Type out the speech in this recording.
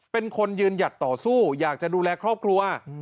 เป็นคนยืนหยัดต่อสู้อยากจะดูแลครอบครัว